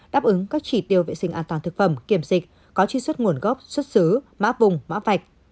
đáp ứng các chỉ tiêu vệ sinh an toàn thực phẩm kiểm dịch có truy xuất nguồn gốc xuất xứ mã vùng mã vạch